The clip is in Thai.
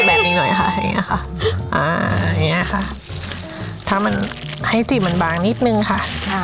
อย่างเงี้ยค่ะอ่าอย่างเงี้ยค่ะถ้ามันให้จีบมันบางนิดนึงค่ะ